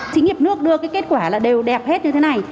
doanh nghiệp nước đưa kết quả đều đẹp hết như thế này